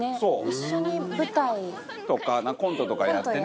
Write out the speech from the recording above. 一緒に舞台。とかコントとかやってね。